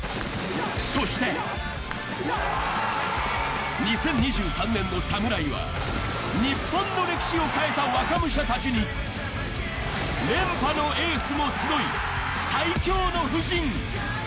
そして２０２３年の侍は日本の歴史を変えた若武者たちに連覇のエースも集い、最強の布陣。